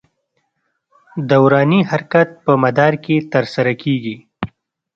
دوراني حرکت په مدار کې تر سره کېږي.